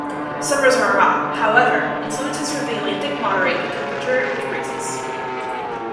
Summers are hot; however, influences from the Atlantic moderate the temperature with breezes.